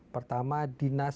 pertama dinas perusahaan